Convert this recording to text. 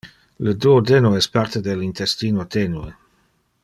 Le duodeno es parte del intestino tenue.